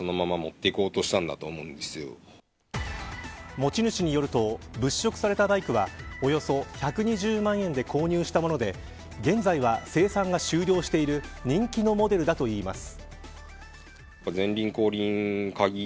持ち主によると物色されたバイクはおよそ１２０万円で購入したもので現在は生産が終了している人気のモデルだといいます。